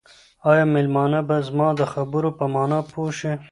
آیا مېلمانه به زما د خبرو په مانا پوه شي؟